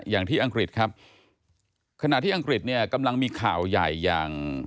อังกฤษครับขณะที่อังกฤษเนี่ยกำลังมีข่าวใหญ่อย่าง